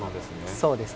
そうですね。